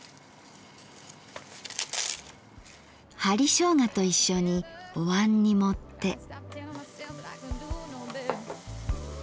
針しょうがと一緒におわんに盛って。